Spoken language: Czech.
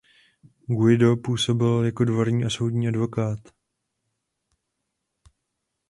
Guido působil jako dvorní a soudní advokát.